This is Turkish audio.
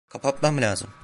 Kapatmam lazım.